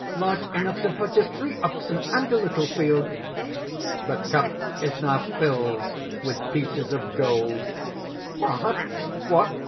large enough to purchase three oxen ... and a little field!" (The cup is now filled with pieces of gold.) "What! what!...